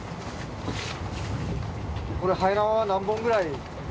これはえ縄は何本ぐらい？